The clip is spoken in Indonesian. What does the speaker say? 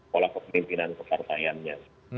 pola pemimpinan kepartaiannya